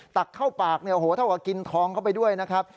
ตักเข้าปากเนี่ยโอ้โหเท่ากับกินทองเข้าไปด้วยนะครับ